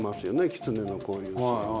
キツネのこういうの。